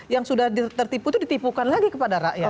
yang sudah tertipu itu ditipukan lagi kepada rakyat